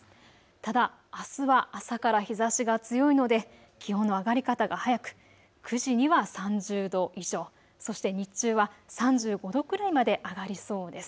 ただあすは朝から日ざしが強いので気温の上がり方が早く、９時には３０度以上、そして日中は３５度くらいまで上がりそうです。